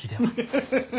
ハハハ！